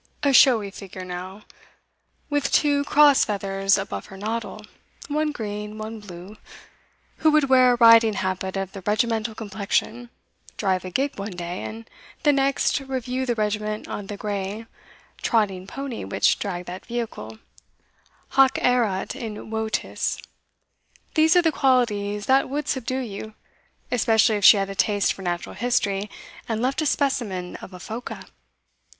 A showy figure, now, with two cross feathers above her noddle one green, one blue; who would wear a riding habit of the regimental complexion, drive a gig one day, and the next review the regiment on the grey trotting pony which dragged that vehicle, hoc erat in votis; these are the qualities that would subdue you, especially if she had a taste for natural history, and loved a specimen of a phoca."